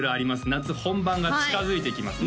夏本番が近づいてきますね